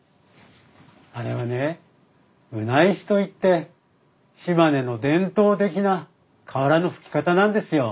あれはね棟石といって島根の伝統的な瓦の葺き方なんですよ。